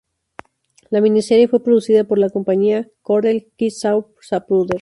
La miniserie fue producida por la compañía "Cordell Jigsaw Zapruder".